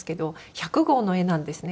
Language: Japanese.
１００号の絵なんですね